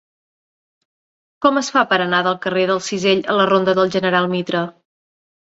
Com es fa per anar del carrer del Cisell a la ronda del General Mitre?